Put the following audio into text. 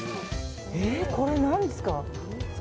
これ、何ですか。